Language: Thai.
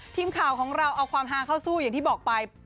ทีมข่าวของเราเอาความฮาเข้าสู้อย่างที่บอกไป